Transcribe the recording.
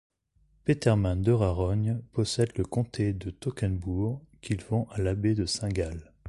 Petermann de Rarogne possède le comté de Toggenbourg, qu'il vend à l'abbé de Saint-Gall.